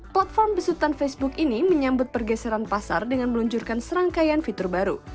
platform besutan facebook ini menyambut pergeseran pasar dengan meluncurkan serangkaian fitur baru